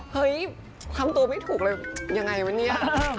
เฮ้ยทำตัวไม่ถูกเลยยังไงวะเนี่ย